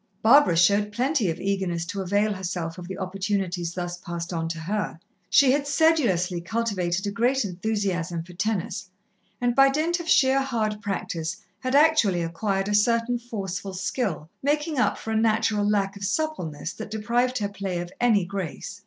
Barbara showed plenty of eagerness to avail herself of the opportunities thus passed on to her. She had sedulously cultivated a great enthusiasm for tennis, and by dint of sheer hard practice had actually acquired a certain forceful skill, making up for a natural lack of suppleness that deprived her play of any grace.